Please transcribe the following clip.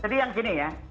jadi yang gini ya